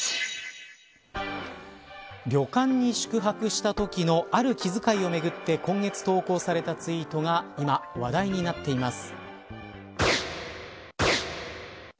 旅館に宿泊したときのある気遣いをめぐって今月、投稿されたツイートが今、話題になっています。